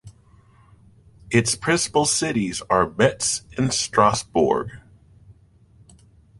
Its principal cities are Metz and Strasbourg.